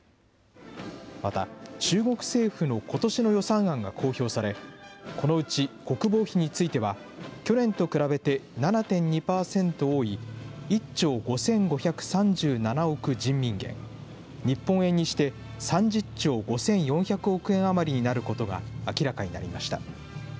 また、中国政府のことしの予算案が公表され、このうち国防費については去年と比べて７．２％多い、１兆５５３７億人民元、日本円にして３０兆５４００億円余りになることが明らかになりました。